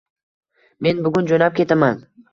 Men bugun jo'nab ketaman.